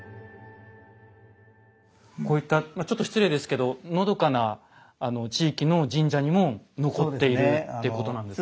こういったちょっと失礼ですけどのどかな地域の神社にも残っているってことなんですね。